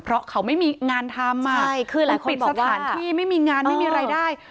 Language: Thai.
เพราะเขาไม่มีงานทำปิดสถานที่ไม่มีงานไม่มีรายได้